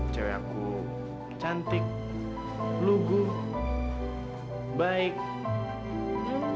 cewek aku cantik lugu baik